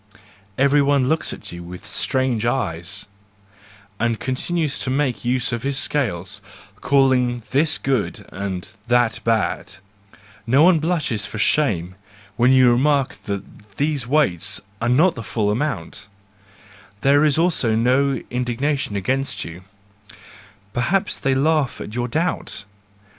Everyone looks at you with strange THE JOYFUL WISDOM, I 36 eyes, and continues to make use of his scales, calling this good and that bad ; and no one blushes for shame when you remark that these weights are not the full amount,—there is also no indignation against you; perhaps they laugh at your doubt.